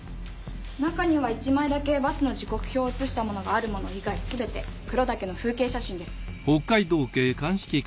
中には１枚だけバスの時刻表を写したものがあるもの以外すべて黒岳の風景写真です。